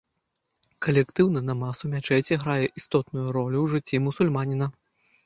Калектыўны намаз ў мячэці грае істотную ролю ў жыцці мусульманіна.